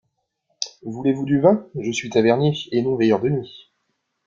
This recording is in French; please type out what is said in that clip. Voulez-vous du vin ? je suis tavernier et non veilleur de nuit.